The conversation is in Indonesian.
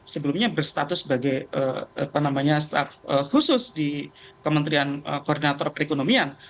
sebelumnya berstatus sebagai staff khusus di kementerian koordinator perekonomian